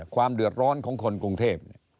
ความเดือดร้อนของคนกรุงเทพ